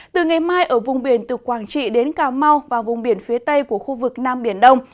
từ ngày mai ở vùng biển từ quảng trị đến cà mau và vùng biển phía tây của khu vực nam biển đông